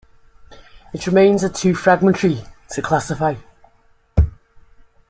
Its remains are too fragmentary to classify.